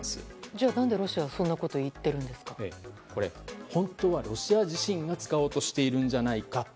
じゃあ何でロシアは本当はロシア自身が使おうとしているんじゃないか。